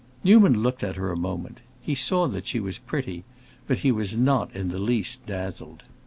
Newman looked at her a moment; he saw that she was pretty, but he was not in the least dazzled.